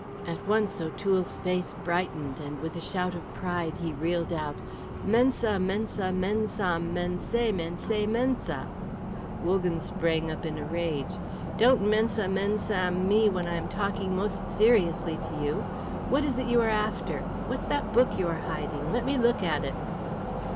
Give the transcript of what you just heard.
At once O'Toole's face brightened, and with a shout of pride he reeled out, "Mensa, mensa, mensam, mensae, mensae, mensa." Wogan sprang up in a rage. "Don't mensa, mensam me when I am talking most seriously to you! What is it you are after? What's that book you are hiding? Let me look at it!"